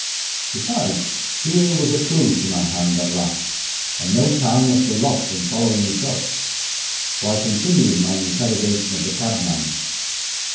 Besides, here was a clue to my hand at last, and no time must be lost in following it up. So I continued my interrogation of the cabman.